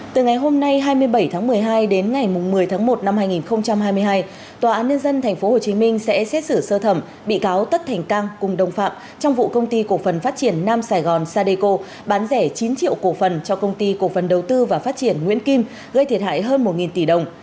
từ ngày hôm nay hai mươi bảy tháng một mươi hai đến ngày một mươi tháng một năm hai nghìn hai mươi hai tòa án nhân dân tp hcm sẽ xét xử sơ thẩm bị cáo tất thành cang cùng đồng phạm trong vụ công ty cổ phần phát triển nam sài gòn sadeco bán rẻ chín triệu cổ phần cho công ty cổ phần đầu tư và phát triển nguyễn kim gây thiệt hại hơn một tỷ đồng